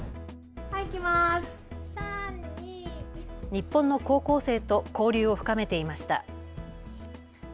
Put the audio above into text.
日本の高校生と交流を深めていました。